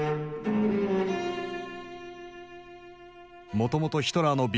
もともとヒトラーの鼻